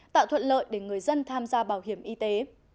tạo thuận lợi để người dân tham gia bảo hiểm y tế